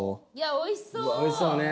おいしそうね。